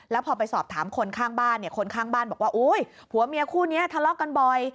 แล้วพอไปสอบถามคนข้างบ้านเนี่ยคนข้างบ้านบอกว่าผัวเมียคู่นี้ทะเลาะกันบ่อย